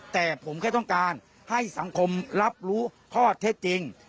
แต่ผมแค่ต้องการให้สังคมรับรู้เพราะว่าเท่าจริง